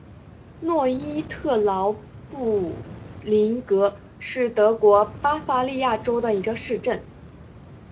诺伊特劳布林格是德国巴伐利亚州的一个市镇。